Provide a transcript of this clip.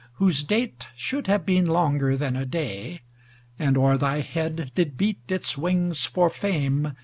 Whose date should have been longer than a day. And o'er thy head did beat its wings for fame.